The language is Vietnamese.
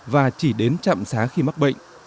và chỉ đến trạm xá khi mắc bệnh